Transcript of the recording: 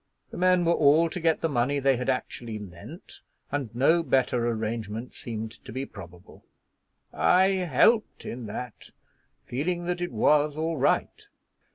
The men were all to get the money they had actually lent, and no better arrangement seemed to be probable. I helped in that, feeling that it was all right.